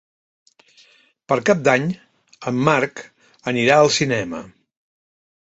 Per Cap d'Any en Marc anirà al cinema.